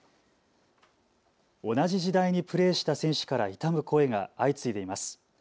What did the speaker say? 同じ時代にプレーした選手から悼む声が相次いでいます。